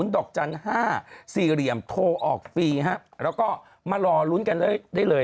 ดอกจันทร์๕๔เหลี่ยมโทรออกฟรีแล้วก็มารอลุ้นกันได้เลย